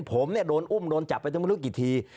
ผมเนี่ยโดนอุ้มโดนจับไปตั้งไม่รู้กี่ที